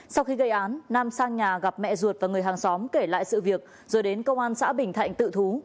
sau khi gây án nam sang nhà gặp mẹ ruột và người hàng xóm kể lại sự việc rồi đến công an xã bình thạnh tự thú